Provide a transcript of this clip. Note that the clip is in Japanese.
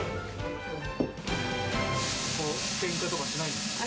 けんかとかしないんですか？